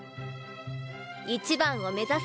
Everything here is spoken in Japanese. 一番を目指す